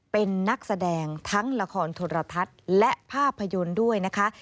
เป็นนักแสดงทั้งละครโทรทัศน์และภาพยนตร์ด้วยนะคะ